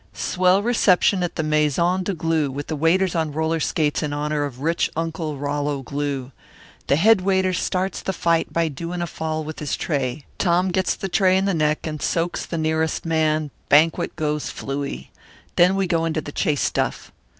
"Swell reception at the Maison de Glue, with the waiters on roller skates in honour of rich Uncle Rollo Glue. The head waiter starts the fight by doing a fall with his tray. Tom gets the tray in the neck and soaks the nearest man banquet goes flooey. Then we go into the chase stuff."